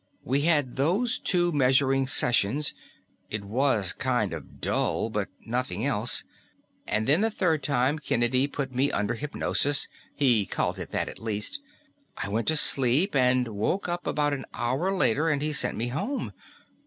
We had those two measuring sessions; it was kind of dull but nothing else. And then the third time Kennedy did put me under hypnosis he called it that, at least. I went to sleep and woke up about an hour later and he sent me home.